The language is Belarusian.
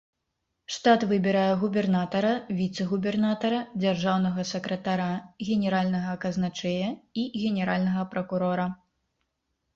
Штат выбірае губернатара, віцэ-губернатара, дзяржаўнага сакратара, генеральнага казначэя і генеральнага пракурора.